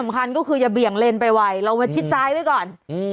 คันก็คืออย่าเบี่ยงเลนไปไวเรามาชิดซ้ายไว้ก่อน